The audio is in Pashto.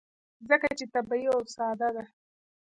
ځکه چې طبیعي او ساده ده.